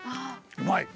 うまい。